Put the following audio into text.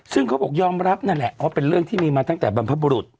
ซึ่งเขาบอกยอมรับนั่นแหละว่าเป็นเรื่องที่มีมาตั้งแต่บรรพบุรุษ